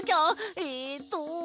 えっと。